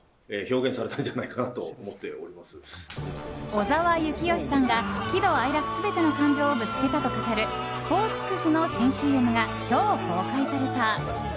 小澤征悦さんが喜怒哀楽全ての感情をぶつけたと語るスポーツくじの新ＣＭが今日、公開された。